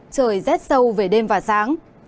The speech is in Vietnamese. trời rét sâu về đêm và sáng